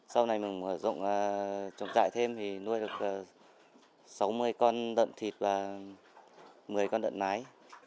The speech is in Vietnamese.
sau này mình dùng chuồng trại thêm thì nuôi được sáu mươi con đợn thịt và một mươi con đợn nái